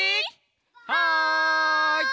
はい！